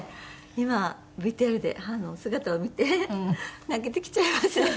今ＶＴＲで母の姿を見て泣けてきちゃいますね。